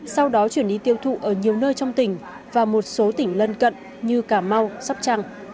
sau đó chuyển đi tiêu thụ ở nhiều nơi trong tỉnh và một số tỉnh lân cận như cà mau sắp trăng